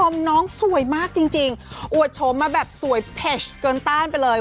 มากจริงอวดชมมาแบบสวยเพชรเกินต้านไปเลย